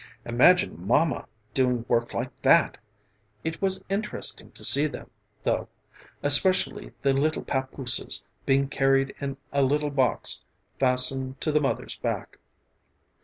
Imagine Mamma doing work like that. It was interesting to see them, though, especially the little papooses being carried in a little box fastened to the mother's back.